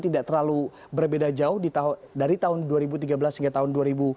tidak terlalu berbeda jauh dari tahun dua ribu tiga belas hingga tahun dua ribu dua